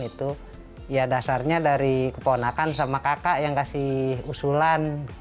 itu ya dasarnya dari keponakan sama kakak yang kasih usulan